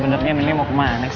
boleh juga terima kasih nek